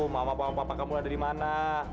mama papa kamu ada dimana